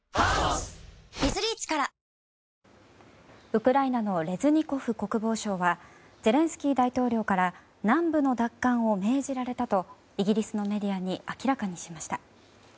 ウクライナのレズニコフ国防相はゼレンスキー大統領から南部の奪還を命じられたとイギリスのメディアに明らかにしました。